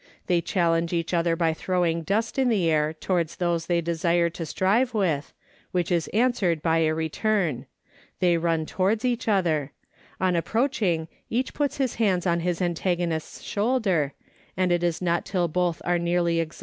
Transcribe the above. They challenge each other by throwing dust in the air towards those they desire to strive with, which is answered by a return ; they run towards each other ; on approaching, each puts his hands on his antagonist's shoulder, and it is not till both are nearly exhausted that one is down.